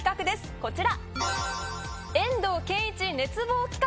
こちら！